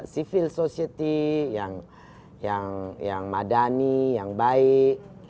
civil society yang madani yang baik